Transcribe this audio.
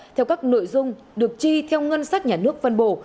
theo các nội dung được chi theo ngân sách nhà nước phân bổ